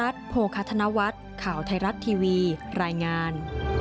สวัสดีครับ